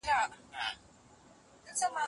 موږ د روښانه او سوکاله افغانستان غوښتونکي يو.